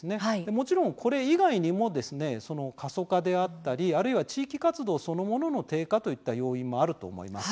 もちろん、これ以外にも過疎化であったり地域活動そのものの低下といった要因もあると思います。